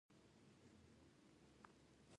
په هېواد کې بده وچکالي ده.